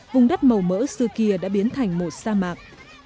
vùng đất màu mỡ xưa kia đã biến thành một sa mạc